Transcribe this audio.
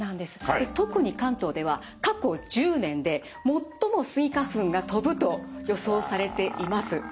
特に関東では過去１０年で最もスギ花粉が飛ぶと予想されています。